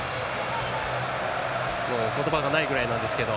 もう言葉がないぐらいですけど。